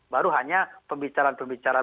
baru hanya pembicaraan pembicaraan